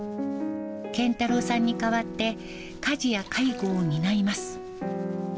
謙太郎さんに代わって、家事や介護を担います。